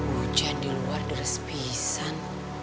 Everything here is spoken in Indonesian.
bucan di luar derespisan